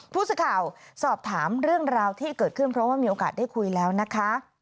ผู้สื่อข่าวสอบถามเรื่องราวที่เกิดขึ้นเพราะว่ามีโอกาสได้คุยแล้วนะคะ